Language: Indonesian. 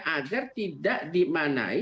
agar tidak dimanai